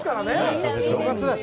正月だし。